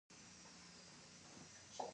دغه ټولنې ته ان ایس پي اي ویل کیږي.